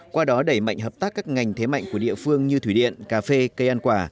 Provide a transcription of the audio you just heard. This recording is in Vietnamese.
qua đó đẩy mạnh hợp tác các ngành thế mạnh của địa phương như thủy điện cà phê cây ăn quả